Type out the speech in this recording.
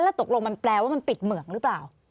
แล้วตกลงมันแปลว่ามันปิดเหมืองหรือเปล่า